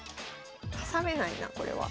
挟めないなこれは。